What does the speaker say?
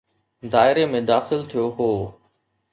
دائري ۾ داخل ٿيو هو.